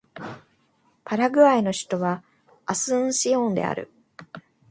パラグアイの首都はアスンシオンである